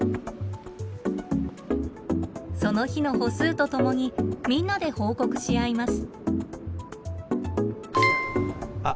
その日の歩数とともにみんなで報告し合います。